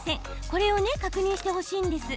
これを確認してほしいんです。